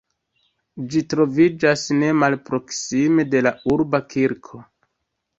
Ĝi troviĝas ne malproksime de la urba kirko.